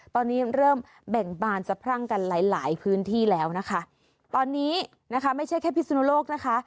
ตอนนี้เริ่มแบ่งบานสะพรั่งกันหลายหลายพื้นที่แล้วนะคะตอนนี้นะคะไม่ใช่แค่พิศนุโลกนะคะ